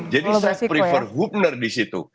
jadi saya prefer hoopner di situ